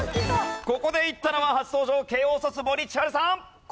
ここでいったのは初登場慶應卒森千晴さん。